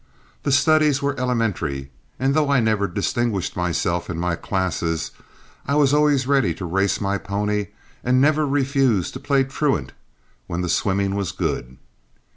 The studies were elementary, and though I never distinguished myself in my classes, I was always ready to race my pony, and never refused to play truant when the swimming was good.